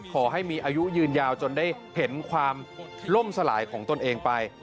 ขอให้มีอายุยืนยาวจนได้เห็นความล่มสลายของตนเองไป